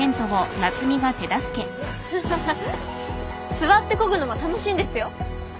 座ってこぐのも楽しいんですよ。